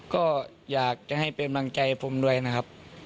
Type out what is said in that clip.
ก็อยากจะให้เป็นกำลังใจผมด้วยนะครับ